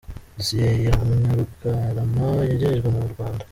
Dosiye ya Munyarugarama yagejejwe mu Rwanda